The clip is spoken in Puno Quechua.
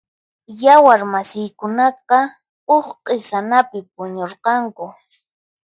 Yawar masiykunaqa huk q'isanapi puñurqanku.